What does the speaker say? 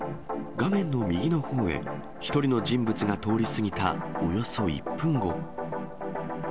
画面の右のほうへ、１人の人物が通り過ぎたおよそ１分後。